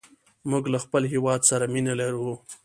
موږ له خپل هېواد سره مینه لرو.